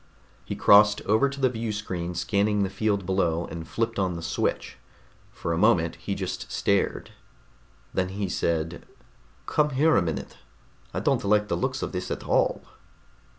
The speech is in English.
He crossed over to the viewscreen scanning the field below, and flipped on the switch. For a moment he just stared. Then he said: "Come here a minute. I don't like the looks of this at all."